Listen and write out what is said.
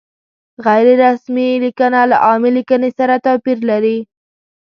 غیر رسمي لیکنه له عامې لیکنې سره توپیر لري.